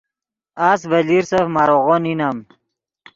اس ڤے لیرسف ماریغو نینم